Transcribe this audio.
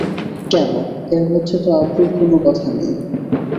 কেন, এর মধ্যে তো আবরুর কোনো কথা নেই।